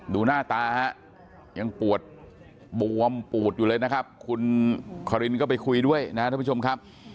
ดูหน้าตาฮะยังปวดบวมปูดอยู่เลยนะครับคุณคารินก็ไปคุยด้วยนะครับท่านผู้ชมครับ